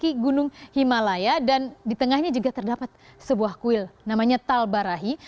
di kaki gunung himalaya dan di tengahnya juga terdapat sebuah kuil namanya tal barahi